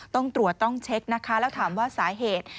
ต้องตรวจต้องเช็คนะคะแล้วถามว่าสาเหตุ